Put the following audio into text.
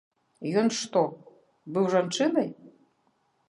Ён што, быў жанчынай?